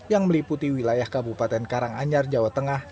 yang meliputi wilayah kabupaten karanganyar jawa tengah